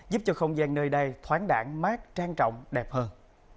giúp cho không gian nơi đây thoáng đảng mát trang trọng đẹp hơn